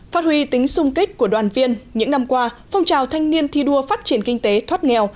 phát huy tính sung kích của đoàn viên những năm qua phong trào thanh niên thi đua phát triển kinh tế thoát nghèo